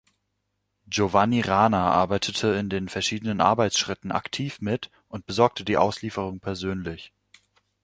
Giovanni Rana arbeitete in den verschiedenen Arbeitsschritten aktiv mit und besorgte die Auslieferung persönlich.